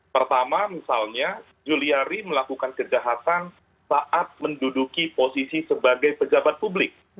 pertama misalnya juliari melakukan kejahatan saat menduduki posisi sebagai pejabat publik